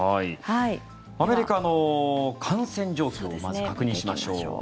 アメリカの感染状況をまず確認しましょう。